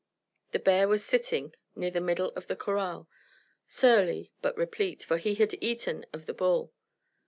The bear was sitting near the middle of the corral, surly but replete, for he had eaten of the bull.